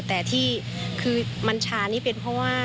แต่ที่คือมันชานี่เป็นเพราะว่า